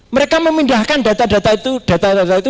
mereka memindahkan data data itu